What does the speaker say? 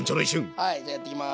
はいじゃやっていきます。